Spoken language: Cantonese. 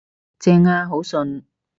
正呀，好順